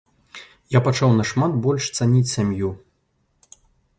Я пачаў нашмат больш цаніць сям'ю.